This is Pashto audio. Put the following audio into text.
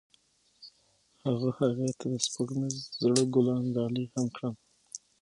هغه هغې ته د سپوږمیز زړه ګلان ډالۍ هم کړل.